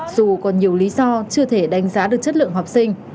dù còn nhiều lý do chưa thể đánh giá được chất lượng học sinh